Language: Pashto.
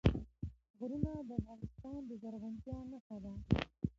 غرونه د افغانستان د زرغونتیا نښه ده.